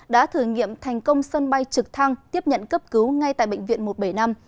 đã thử nghiệm thành công sân bay trực thăng tiếp nhận cấp cứu ngay tại bệnh viện một trăm bảy mươi năm